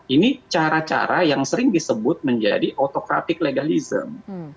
ini cara cara yang sering disebut menjadi autokratik legalisme